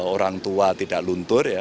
orang tua tidak luntur